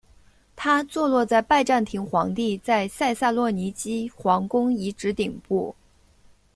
它坐落在拜占庭皇帝在塞萨洛尼基皇宫遗址顶部。